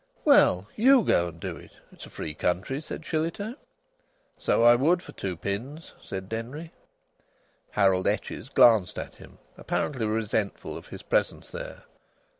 "Well, you go and do it. It's a free country," said Shillitoe. "So I would, for two pins!" said Denry. Harold Etches glanced at him, apparently resentful of his presence there.